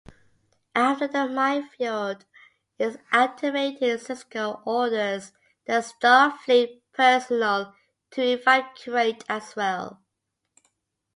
After the minefield is activated, Sisko orders the Starfleet personnel to evacuate as well.